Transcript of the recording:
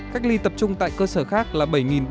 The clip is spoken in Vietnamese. cách ly tập trung tại cơ sở khác là